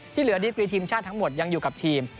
เหลือดีกรีทีมชาติทั้งหมดยังอยู่กับทีม